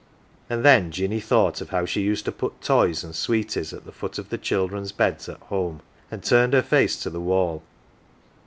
And then Jinny thought of how she used to put toys and sweeties at the foot of the children's beds at home, and turned ber face to the wall.